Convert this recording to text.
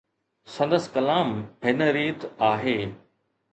سندس ڪلام هن ريت آهي.